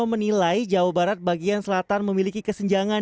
menilai jawa barat bagian selatan memiliki kesenjangan